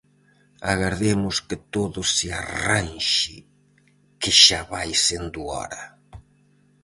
Agardemos que todo se arranxe que xa vai sendo hora.